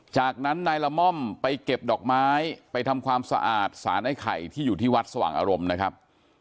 จากนั้นนายละม่อมไปเก็บดอกไม้ไปทำความสะอาดสารไอ้ไข่ที่อยู่ที่วัดสว่างอารมณ์นะครับ